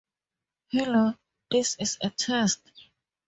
Hello this is a test